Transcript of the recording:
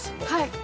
はい。